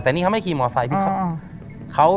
แต่นี่เขาไม่ได้ขี่มอเซ้า